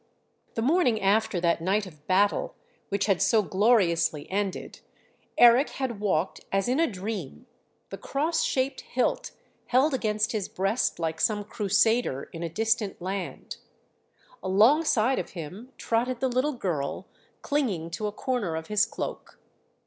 The morning after that night of battle which had so gloriously ended, Eric had walked as in a dream, the cross shaped hilt held against his breast like some crusader in a distant land. Alongside of him trotted the little girl clinging to a corner of his cloak.